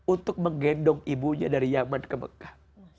untuk menggendong ibunya dari yaman ke mekah